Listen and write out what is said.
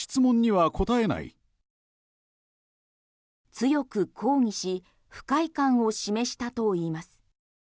強く抗議し不快感を示したといいます。